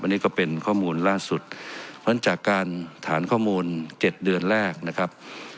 อันนี้ก็เป็นข้อมูลล่าสุดเพราะฉะนั้นจากการฐานข้อมูล๗เดือนแรกนะครับ